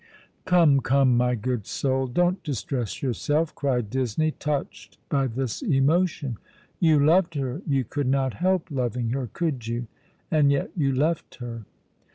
" Come, come, my good soul, don't distress yourself," cried Disney, touched by this emotion. " You loved her ; you could not help loving her, could you ? And yet you left her."